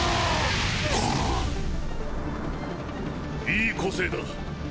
いい個性だ。